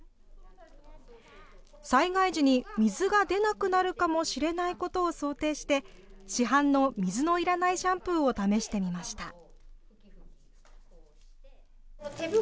災害時に水が出なくなるかもしれないことを想定して市販の水のいらないシャンプーを試してみました。